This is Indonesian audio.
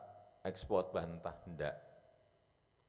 sekali lagi meskipun kita kalah di wto kalah kita urusan nikel ini kita dibawa ke bumt